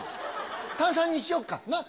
炭酸にしようか、な。